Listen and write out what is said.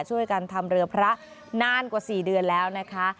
ช่วยกันทำเรือพระนานกว่า๔เดือนแล้วนะคะ